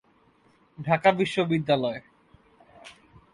Seat সংকটের কারণে তঁাদের একসঙ্গে গাদাগাদি করে থাকতে হয়।